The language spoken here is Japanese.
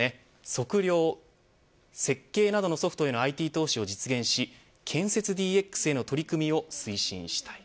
測量、設計などのソフトへのＩＴ投資を実現し建設ＤＸへの取り組みを推進したい。